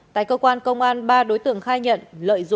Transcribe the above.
tại cơ quan công an ba đối tượng khai nhận lợi dụng